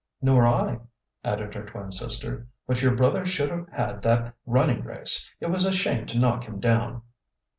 "Nor I," added her twin sister. "But your brother should have had that running race. It was a shame to knock him down."